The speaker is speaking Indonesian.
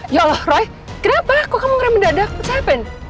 ya allah roy kenapa kok kamu ngeram mendadak what's happened